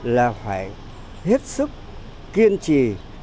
là phải hết sức kiên trì